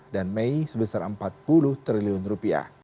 dan mei sebesar empat puluh triliun rupiah